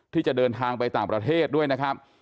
ที่จะเดินทางไปต่างประเทศด้วยนะครับ